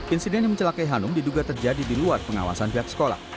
insiden yang mencelakai hanum diduga terjadi di luar pengawasan pihak sekolah